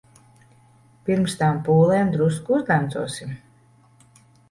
Pirms tām pūlēm drusku uzdancosim.